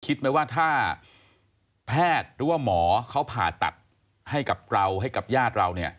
คิดไหมว่าถ้าแพทย์หรือว่าหมอเขาผ่าตัดให้กับเราให้กับญาติเราเนี่ย